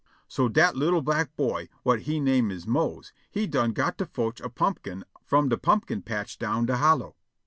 So dat li'l' black boy whut he name is Mose he done got to fotch a pumpkin from de pumpkin patch down de hollow.